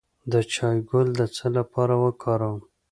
د چای ګل د څه لپاره وکاروم؟